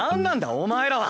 お前らは。